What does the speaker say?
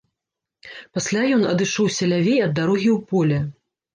Пасля ён адышоўся лявей ад дарогі ў поле.